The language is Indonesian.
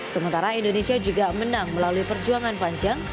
sementara indonesia juga menang melalui perjuangan panjang